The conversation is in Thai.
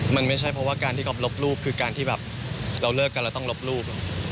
มันไม่ใช่เพราะว่าการที่ก๊อปลบรูปคือการที่แบบเราเลิกกันเราต้องลบรูป